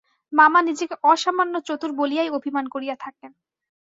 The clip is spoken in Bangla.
মামা নিজেকে অসামান্য চতুর বলিয়াই অভিমান করিয়া থাকেন।